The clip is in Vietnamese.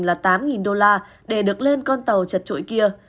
là tám đô la để được lên con tàu chật trội kia